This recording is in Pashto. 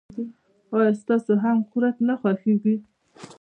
آیا تاسو هم کورت نه خوښیږي.